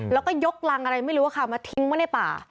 แล้วก็ยกรังอะไรไม่รู้ค่ะมาทิ้งไว้ในป่า